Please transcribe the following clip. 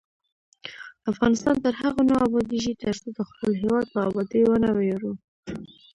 افغانستان تر هغو نه ابادیږي، ترڅو د خپل هیواد په ابادۍ ونه ویاړو.